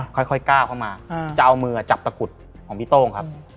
ก็ค่อยกล้าเข้ามาจะเอามือจับตระกุฎของพี่โต้ง